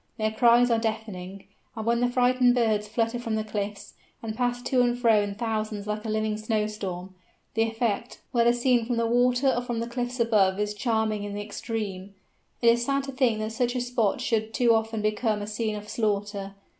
Their cries are deafening, and when the frightened birds flutter from the cliffs, and pass to and fro in thousands like a living snowstorm, the effect, whether seen from the water or from the cliffs above is charming in the extreme. It is sad to think that such a spot should too often become a scene of slaughter.